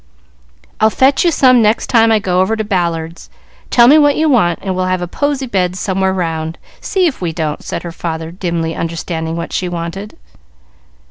"I'll fetch you some next time I go over to Ballad's. Tell me what you want, and we'll have a posy bed somewhere round, see if we don't," said her father, dimly understanding what she wanted.